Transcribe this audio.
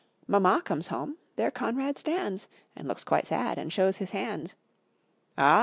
Mamma comes home: there Conrad stands, And looks quite sad, and shows his hands; "Ah!"